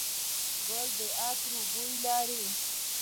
ګل د عطر بوی لري.